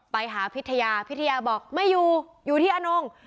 ไปหาพิทยาพิทยาบอกไม่อยู่อยู่ที่อนง